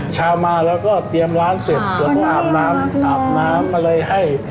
เช้ามาแล้วก็เตรียมร้านเสร็จแล้วก็อาบน้ำอะไรให้